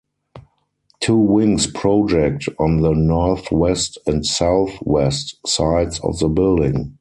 Two wings project on the northwest and southwest sides of the building.